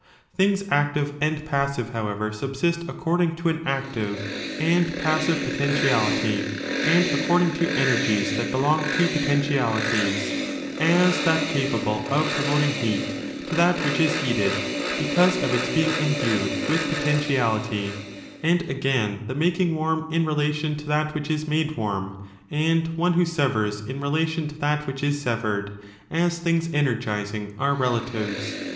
Things active and passive, however, subsist according to * according to an active and passive potentiality, pn^^twn.°' ^''^^^ according to energies that belong to potenti alities ; as that capable of promoting heat to that which is heated, because of its being endued with poten tiality: and again, the making warm in relation to that which is made warm; and one who severs in relation to that which is severed — as things energizing — are relatives.